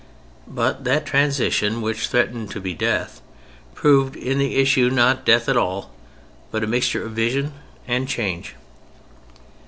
But that transition, which threatened to be death, proved in the issue not death at all, but a mixture of Vision and Change.